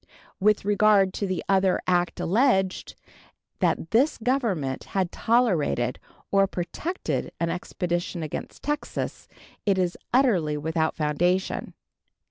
With regard to the other act alleged, that this Government had tolerated or protected an expedition against Texas, it is utterly without foundation.